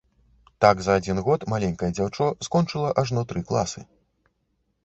Так за адзін год маленькае дзяўчо скончыла ажно тры класы!